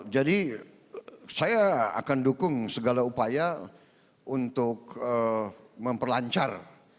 jadi saya akan dukung segala upaya untuk memperlancar